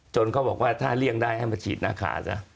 เขาบอกว่าถ้าเลี่ยงได้ให้มาฉีดหน้าขาซะ